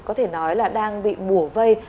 có thể nói là đang bị bổ vây